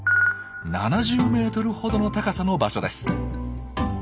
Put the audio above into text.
７０ｍほどの高さの場所です。